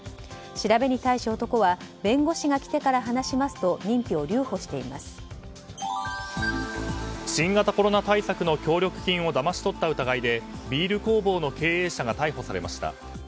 調べに対し、男は弁護士が来てから話しますと新型コロナ対策の協力金をだまし取った疑いでビール工房の経営者が逮捕されました。